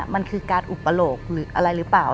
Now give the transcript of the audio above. มันคือการอุปโปรกอะไรรึเปล่า